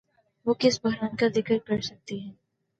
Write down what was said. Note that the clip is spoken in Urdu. وہ کس بحران کا ذکر کرسکتے ہیں؟